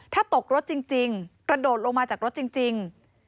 ถ้าตกรถจริงกระโดดลงมาจากรถจริง